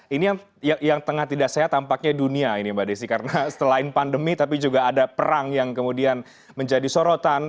ini yang tengah tidak sehat tampaknya dunia ini mbak desi karena selain pandemi tapi juga ada perang yang kemudian menjadi sorotan